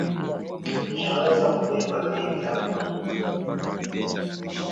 Ninaweza kubeba begi lako.